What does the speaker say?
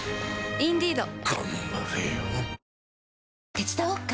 手伝おっか？